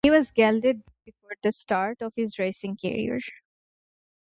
He was gelded before the start of his racing career.